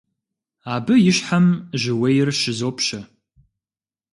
Абы и щхьэм жьыуейр щызопщэ.